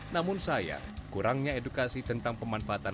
namun sayang kurangnya edukasi tentang pemanfaatan